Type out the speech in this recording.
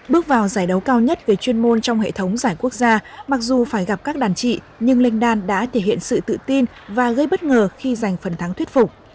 bước vào giải đấu cao nhất về chuyên môn trong hệ thống giải quốc gia mặc dù phải gặp các đàn trị nhưng linh đan đã thể hiện sự tự tin và gây bất ngờ khi giành phần thắng thuyết phục